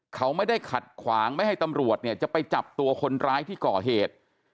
เขาไม่ได้ขัดขวางไม่ให้ตำรวจเนี่ยจะไปจับตัวคนร้ายที่ก่อเหตุ